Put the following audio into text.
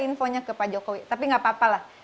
infonya ke pak jokowi tapi nggak apa apa lah